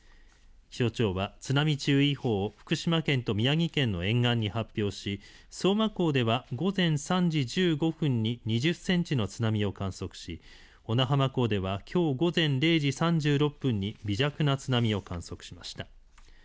気象庁は津波注意報を福島県と宮城県の沿岸に発表し相馬港では午前３時１５分に２０センチの津波を観測し小名浜港ではきょう午前０時３６分に微弱な津波を観測しました。